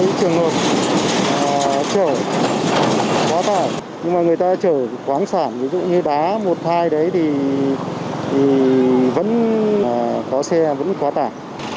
nhưng mà người ta chở quáng sản ví dụ như đá một thai đấy thì vẫn có xe vẫn quá tải